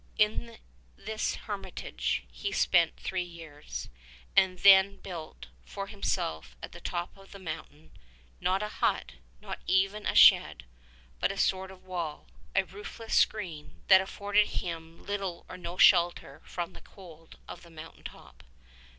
In this hermitage he spent three years, and then built for himself at the top of the mountain — not a hut, not even a shed, but a sort of wall, a roofless screen that afforded him little or no shelter from the cold of the mountain top.